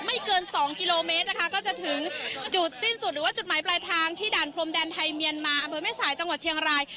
เกินสองกิโลเมตรนะคะก็จะถึงจุดสิ้นสุดหรือว่าจุดหมายปลายทางที่ด่านพรมแดนไทยเมียนมาอำเภอแม่สายจังหวัดเชียงราย